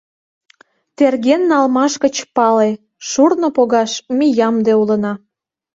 — Терген налмаш гыч пале, шурно погаш ме ямде улына.